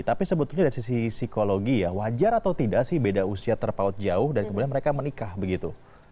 tapi sebetulnya dari sisi psikologi ya wajar atau tidak sih beda usia terpaut jauh dan kemudian mereka menikah begitu